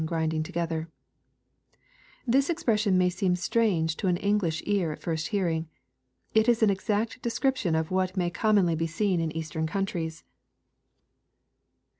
grinding together^ This expression may seem strange to an English ear at first hearing. It is an exact de scription of what may commonly be seen in Eastern countnea 11* 250 EXPOSITORY THOUGHTS.